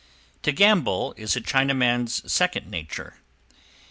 To gamble is a Chinaman's second nature.